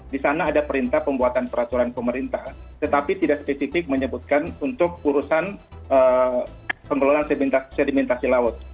di sana ada perintah pembuatan peraturan pemerintah tetapi tidak spesifik menyebutkan untuk urusan pengelolaan sedimentasi laut